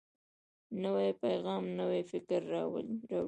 نوی پیغام نوی فکر راوړي